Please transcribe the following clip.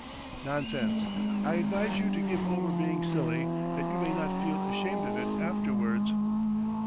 "'Nonsense, I advise you to give over being silly that you may not feel ashamed of it afterwards.'